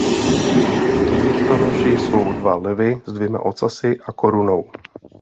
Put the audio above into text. Štítonoši jsou dva lvi s dvěma ocasy a korunou.